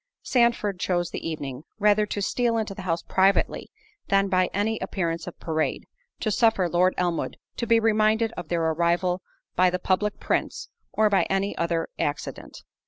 Sandford chose the evening, rather to steal into the house privately, than by any appearance of parade, to suffer Lord Elmwood to be reminded of their arrival by the public prints, or by any other accident.